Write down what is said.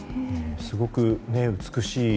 すごく美しい。